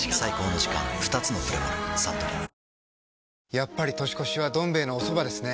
やっぱり年越しは「どん兵衛」のおそばですね。